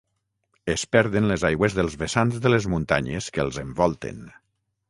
Es perden les aigües dels vessants de les muntanyes que els envolten.